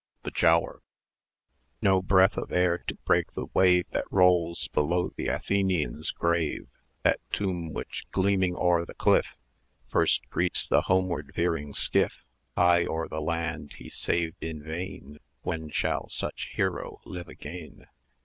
THE GIAOUR. No breath of air to break the wave That rolls below the Athenian's grave, That tomb which, gleaming o'er the cliff, First greets the homeward veering skiff High o'er the land he saved in vain; When shall such Hero live again?